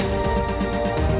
kau mau makan malam